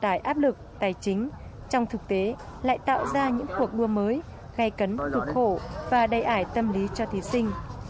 tại áp lực tài chính trong thực tế lại tạo ra những cuộc đua mới gây cấn thụt khổ và đầy ải tâm lý cho thí sinh